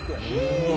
うわ。